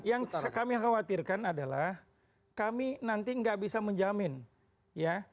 yang kami khawatirkan adalah kami nanti nggak bisa menjamin ya